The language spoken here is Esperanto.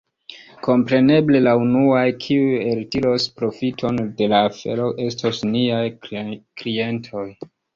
Kompreneble la unuaj, kiuj eltiros profiton de la afero, estos niaj klientoj.